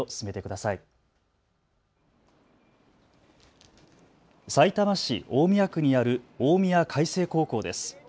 さいたま市大宮区にある大宮開成高校です。